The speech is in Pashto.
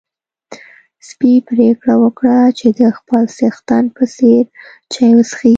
سپی پرېکړه وکړه چې د خپل څښتن په څېر چای وڅښي.